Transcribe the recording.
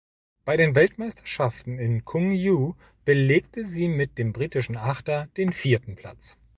Bei den Weltmeisterschaften in Chungju belegte sie mit dem britischen Achter den vierten Platz.